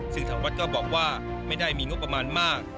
ซึ่งทางวัดก็บอกว่าไม่ได้มีงบประมาณมาก